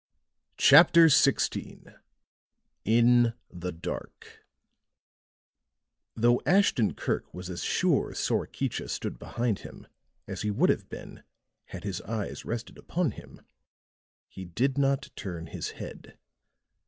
CHAPTER XVI IN THE DARK Though Ashton Kirk was as sure Sorakicha stood behind him as he would have been had his eyes rested upon him, he did not turn his head.